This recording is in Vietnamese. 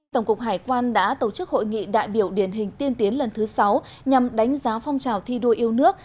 tổng cục hải quan đã tổ chức hội nghị đại biểu điển hình tiên tiến lần thứ sáu nhằm đánh giá phong trào thi đua yêu nước